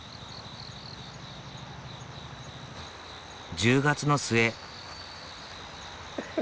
１０月の末。